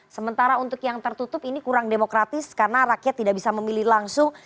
sementara untuk yang tertutup ini kurang demokratis karena rakyat tidak bisa memilih langsung